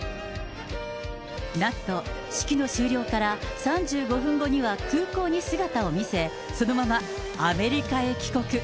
なんと、式の終了から３５分後には空港に姿を見せ、そのままアメリカへ帰国。